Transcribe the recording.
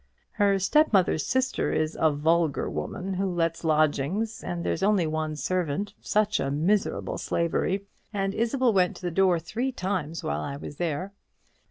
Her step mother's sister is a vulgar woman who lets lodgings, and there's only one servant such a miserable slavey; and Isabel went to the door three times while I was there.